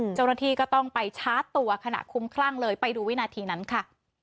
เจ้าหน้าที่ก็ต้องไปชาร์จตัวขณะคุ้มคลั่งเลยไปดูวินาทีนั้นค่ะ